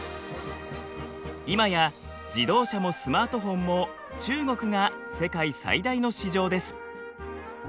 今や自動車もスマートフォンも中国が世界最大の市場です。